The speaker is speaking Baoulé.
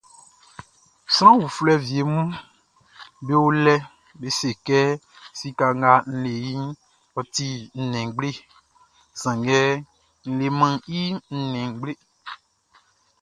Sran uflɛ wieʼm be o lɛʼn, be se kɛ sika nga n le iʼn, ɔ ti nnɛn ngble, sanngɛ n lemɛn i nnɛn ngble.